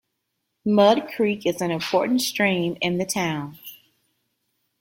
Mud Creek is an important stream in the town.